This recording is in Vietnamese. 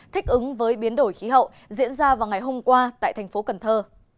thích ứng với biến đổi khí hậu diễn ra vào ngày hôm qua tại thành phố cần thơ